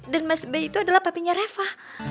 dan mas b itu adalah papinya reva